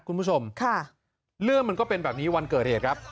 คุณผู้ชมค่ะเรื่องมันก็เป็นแบบนี้วันเกิดเหตุครับ